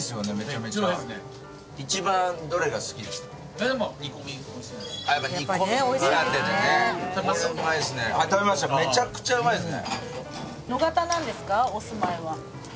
めちゃくちゃうまいですね。